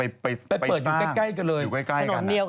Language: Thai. ไปเปิดอยู่ใกล้กันเลย